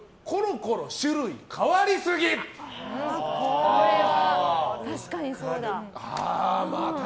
これは確かにそうだ。